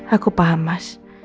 aku paham mas